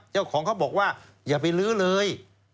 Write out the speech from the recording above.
เจ้าของเขาบอกว่าอย่าไปลื้อเลย